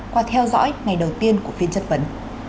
qua theo dõi ngày đầu tiên của phiên chất vấn